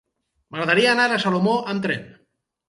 M'agradaria anar a Salomó amb tren.